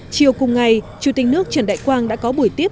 chiều cùng ngày chủ tịch nước trần đại quang đã có buổi tiếp